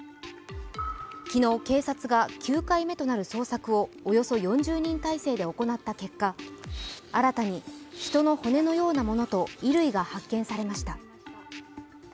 昨日、警察が９回目となる捜索をおよそ４０人態勢で行った結果新たに人の骨のようなものと衣類が発見されました。